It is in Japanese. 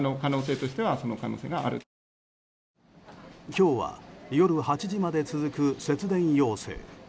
今日は夜８時まで続く節電要請。